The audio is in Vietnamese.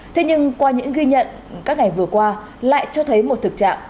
thế nhưng qua những ghi nhận các ngày vừa qua lại cho thấy một thực trạng